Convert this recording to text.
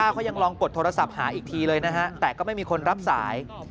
เขายังลองกดโทรศัพท์หาอีกทีเลยนะฮะแต่ก็ไม่มีคนรับสาย